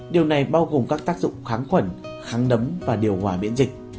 điều này bao gồm các tác dụng kháng khuẩn kháng đấm và điều hòa miễn dịch